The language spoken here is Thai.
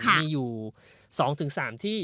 มีอยู่๒๓ที่